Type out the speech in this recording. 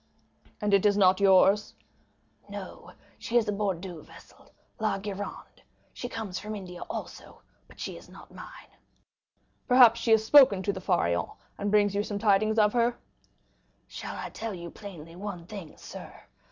"And it is not yours?" "No, she is a Bordeaux vessel, La Gironde; she comes from India also; but she is not mine." "Perhaps she has spoken to the Pharaon, and brings you some tidings of her?" "Shall I tell you plainly one thing, sir?